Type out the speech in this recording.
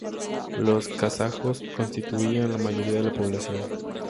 Los kazajos constituían la mayoría de la población.